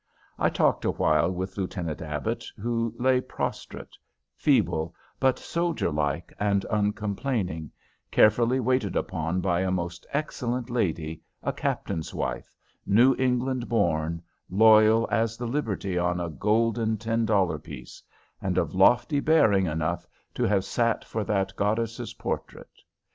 I talked awhile with Lieutenant Abbott, who lay prostrate, feeble, but soldier like and uncomplaining, carefully waited upon by a most excellent lady, a captain's wife, New England born, loyal as the Liberty on a golden ten dollar piece, and of lofty bearing enough to have sat for that goddess's portrait.